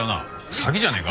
詐欺じゃねえか？